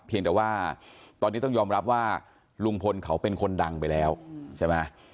เพียงแต่ว่าตอนนี้ต้องยอมรับว่าลุงพลเขาเป็นคนดังไปแล้วใช่ไหม